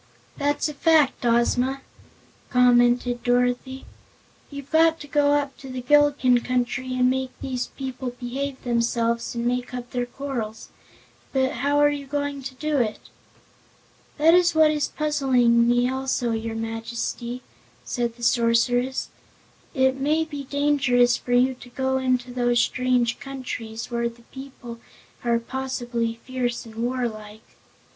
"That's a fact, Ozma," commented Dorothy. "You've got to go up to the Gillikin Country and make these people behave themselves and make up their quarrels. But how are you going to do it?" "That is what is puzzling me also, your Majesty," said the Sorceress. "It may be dangerous for you to go into those strange countries, where the people are possibly fierce and warlike."